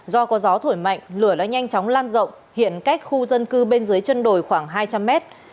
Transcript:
do có gió thổi mạnh lửa đã nhanh chóng lan rộng hiện cách khu dân cư bên dưới chân đồi khoảng hai trăm linh mét